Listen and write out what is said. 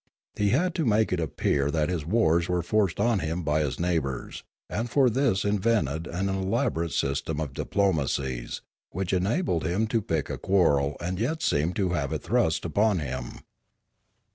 He had to make it appear that his wars were forced on him by his neighbours, and for this invented an elaborate system of diplomacies which enabled him to pick a quarrel and yet seem to have it thrust upon him.